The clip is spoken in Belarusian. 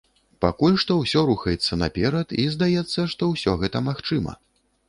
Пакуль што ўсё рухаецца наперад і, здаецца, што ўсё гэта магчыма.